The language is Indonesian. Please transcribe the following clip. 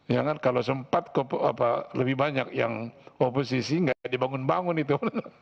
ya kan kalau sempat lebih banyak yang oposisi nggak dibangun bangun itu